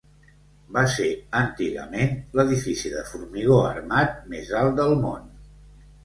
Va ser antigament l'edifici de formigó armat més alt del món.